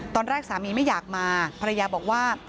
ตอนแรกสามีไม่อยากมาภรรยาบอกว่า